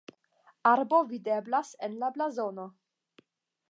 Arbo videblas en la blazono.